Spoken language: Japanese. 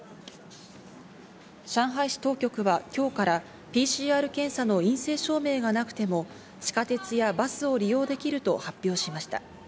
上海市当局は、今日からＰＣＲ検査の陰性証明がなくても地下鉄やバスを利用できると発表しました。